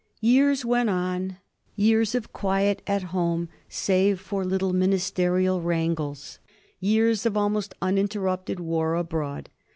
Years went on — ^years of quiet at home, save for little ministerial wrangles — years of almost uninterrupted war abroad.